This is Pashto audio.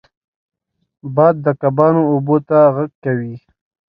باد د کبانو اوبو ته غږ کوي